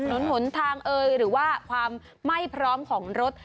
หนุนหลุนทางหรือว่าความไม่พร้อมของรถ